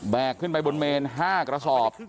ขึ้นไปบนเมน๕กระสอบ